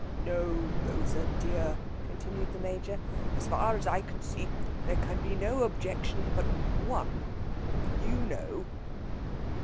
"No, Rosa dear," continued the Major. "As far as I can see, there can be no objection but one you know!"